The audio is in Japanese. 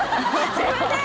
すいません！